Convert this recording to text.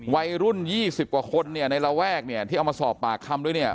วัยรุ่น๒๐กว่าคนเนี่ยในระแวกเนี่ยที่เอามาสอบปากคำด้วยเนี่ย